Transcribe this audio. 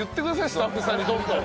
スタッフさんにどんどん。